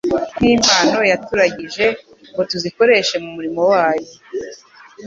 Nki mpano yaturagije, ngo tuzikoreshe mu murimo wayo.